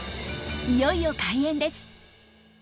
いよいよ開演です。